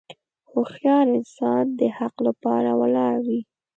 هوښیار انسان د حق لپاره ولاړ وي.